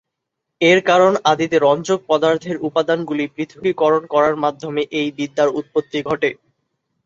এর কারণ আদিতে রঞ্জক পদার্থের উপাদানগুলি পৃথকীকরণ করার মাধ্যমে এই বিদ্যার উৎপত্তি ঘটে।